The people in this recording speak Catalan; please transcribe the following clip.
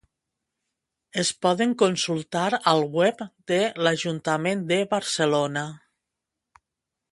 Es poden consultar al web de lAjuntament de Barcelona.